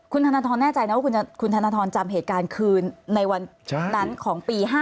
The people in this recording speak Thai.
คุณธนทรแน่ใจนะว่าคุณธนทรจำเหตุการณ์คืนในวันนั้นของปี๕๗